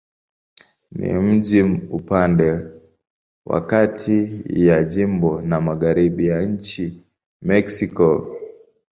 Ni mji upande wa kati ya jimbo na magharibi ya nchi Mexiko.